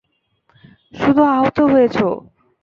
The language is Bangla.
শুধু আহত হয়েছো।